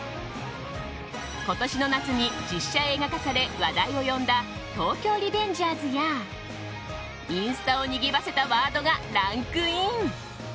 今年の夏に実写映画化され話題を呼んだ「東京リベンジャーズ」やインスタをにぎわせたワードがランクイン。